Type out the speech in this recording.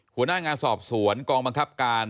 หัวหน้างานสอบสวนกองบังคับการ